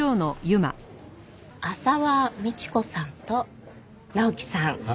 浅輪倫子さんと直樹さん。